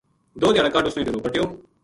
دو دھیاڑا کاہڈ اس نے ڈیرو پَٹیو